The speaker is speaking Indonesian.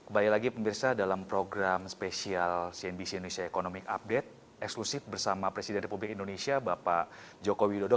kembali lagi pemirsa dalam program spesial cnbc indonesia economic update eksklusif bersama presiden republik indonesia bapak joko widodo